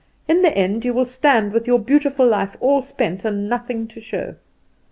In the end you will stand with your beautiful life all spent, and nothing to show.